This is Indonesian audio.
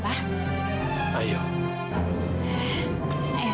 dia akan bahasa indonesia